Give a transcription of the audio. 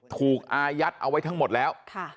อายัดเอาไว้ทั้งหมดแล้ว